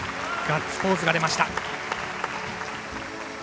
ガッツポーズが出ました。